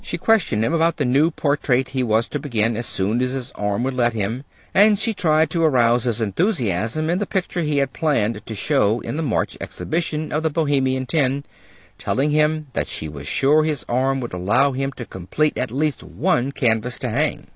She questioned him about the new portrait he was to begin as soon as his arm would let him; and she tried to arouse his enthusiasm in the picture he had planned to show in the March Exhibition of the Bohemian Ten, telling him that she was sure his arm would allow him to complete at least one canvas to hang.